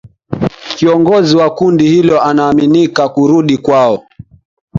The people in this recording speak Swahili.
Kiongozi wa kundi hilo anaaminika kurudi kwao